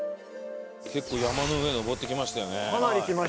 結構山の上に登ってきましたよね。